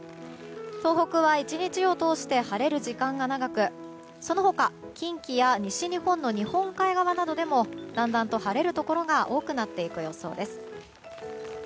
東北は１日を通して晴れる時間が長くその他、近畿や西日本の日本海側などでもだんだんと晴れるところが多くなっていく予想です。